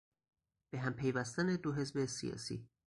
به هم پیوستن دو حزب سیاسی